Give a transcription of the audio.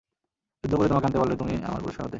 যুদ্ধ করে তোমাকে আনতে পারলে তুমি আমার পুরস্কার হতে।